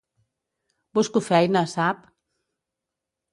Busco feina, sap?